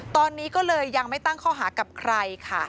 ตอนนี้ก็เลยยังไม่ตั้งข้อหากับใครค่ะ